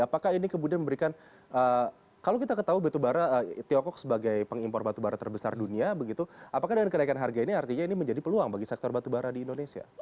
apakah ini kemudian memberikan kalau kita ketahui batubara tiongkok sebagai pengimpor batu bara terbesar dunia begitu apakah dengan kenaikan harga ini artinya ini menjadi peluang bagi sektor batubara di indonesia